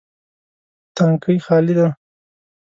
تانکی خالي ده